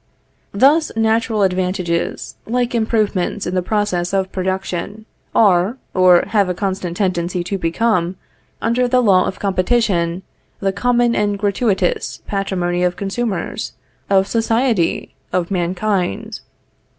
Thus natural advantages, like improvements in the process of production, are, or have a constant tendency to become, under the law of competition, the common and gratuitous patrimony of consumers, of society, of mankind.